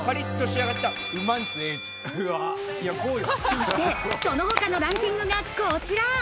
そして、その他のランキングはこちら。